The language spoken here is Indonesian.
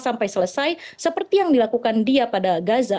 sampai selesai seperti yang dilakukan dia pada gaza